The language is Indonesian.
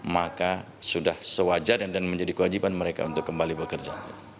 maka sudah sewajar dan menjadi kewajiban mereka untuk kembali bekerja